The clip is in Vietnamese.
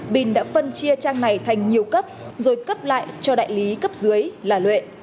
bình đã phân chia trang này thành nhiều cấp rồi cấp lại cho đại lý cấp dưới là luệ